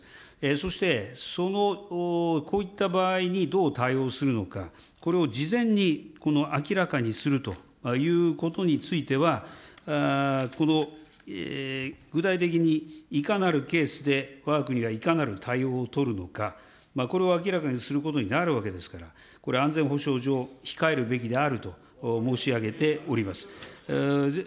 そして、その、こういった場合にどう対応するのか、これを事前に明らかにするということについては、この具体的に、いかなるケースでわが国がいかなる対応を取るのか、これを明らかにすることになるわけですから、これ、安全保障上、控えるべきであると申し上げております。